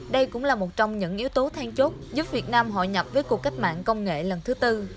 đây cũng là một trong những yếu tố than chốt giúp việt nam hội nhập với cuộc cách mạng công nghệ lần thứ tư